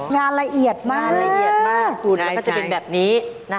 งานละเอียดมากงานละเอียดมากแล้วก็จะเป็นแบบนี้